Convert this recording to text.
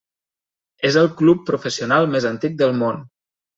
És el club professional més antic del món.